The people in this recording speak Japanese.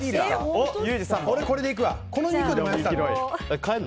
俺、これでいくわ！